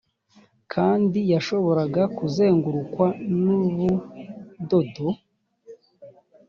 kandi yashoboraga kuzengurukwa n urudodo